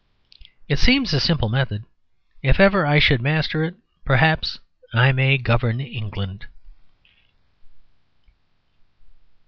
It seems a simple method; if ever I should master it perhaps I may govern England.